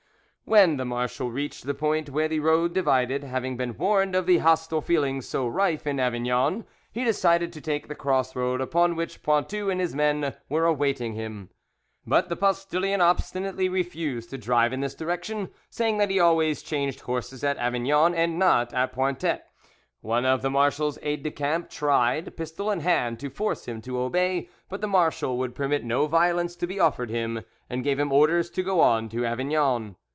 When the marshal reached the point where the road divided, having been warned of the hostile feelings so rife in Avignon, he decided to take the cross road upon which Pointu and his men were awaiting him; but the postillion obstinately refused to drive in this direction, saying that he always changed horses at Avignon, and not at Pointet. One of the marshal's aides de camp tried, pistol in hand, to force him to obey; but the marshal would permit no violence to be offered him, and gave him orders to go on to Avignon.